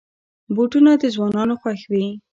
بوټونه د ځوانانو خوښ وي.